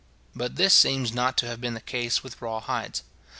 But this seems not to have been the case with raw hides.